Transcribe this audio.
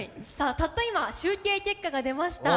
たった今、集計結果が出ました。